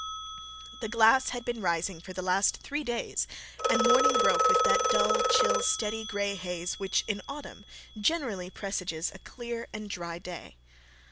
The glass had been rising for the last three days, and the morning broke with that dull chill steady grey haze which in autumn generally presages a clear and dry day.